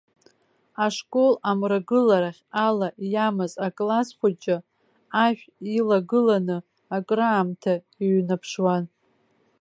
Ашкол амрагыларахь ала иамаз акласс хәыҷы ашә илагыланы акыраамҭа иҩнаԥшуан.